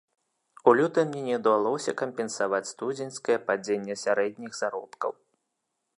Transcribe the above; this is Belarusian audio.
У лютым не не ўдалося кампенсаваць студзеньскае падзенне сярэдніх заробкаў.